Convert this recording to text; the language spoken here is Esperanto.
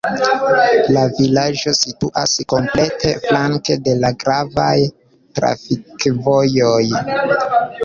La vilaĝo situas komplete flanke de la gravaj trafikvojoj.